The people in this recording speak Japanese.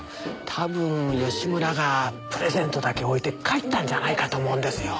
多分吉村がプレゼントだけ置いて帰ったんじゃないかと思うんですよ。